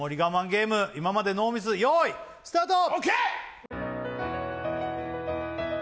ゲーム今までノーミス用意スタートＯＫ！